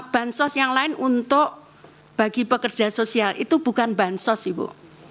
bansos yang lain untuk bagi pekerja sosial itu bukan bansos ibu